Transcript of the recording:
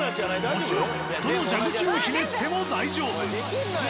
もちろんどの蛇口をひねっても大丈夫。